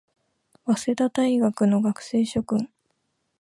早稲田大学の学生諸君